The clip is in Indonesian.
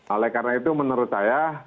oleh karena itu menurut saya